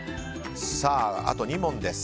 さあ、あと２問です。